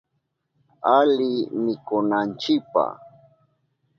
Ali mikunanchipa.